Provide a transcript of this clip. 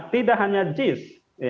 tidak hanya jis